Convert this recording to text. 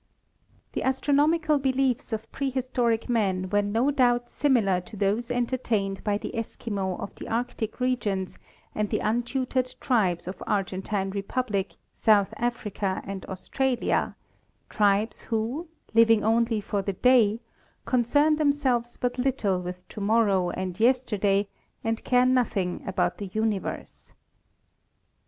The astronomical beliefs of prehistoric man were no doubt similar to those entertained by the Eskimo of the Arctic regions and the untutored tribes of Argentine Republic, South Africa and Australia, tribes who, living only for the day, concern themselves but little with to morrow and yesterday and care nothing about the universe.